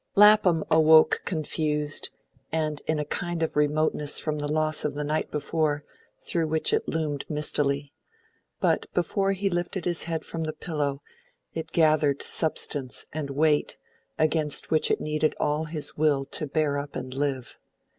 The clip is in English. LAPHAM awoke confused, and in a kind of remoteness from the loss of the night before, through which it loomed mistily. But before he lifted his head from the pillow, it gathered substance and weight against which it needed all his will to bear up and live.